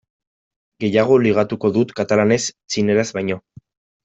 Gehiago ligatuko dut katalanez txineraz baino.